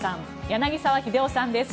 柳澤秀夫さんです。